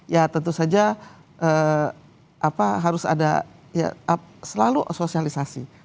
ya tentu saja harus ada ya selalu sosialisasi